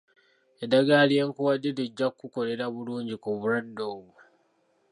Eddagala lye nkuwadde lijja kukolera bulungi ku bulwadde obwo.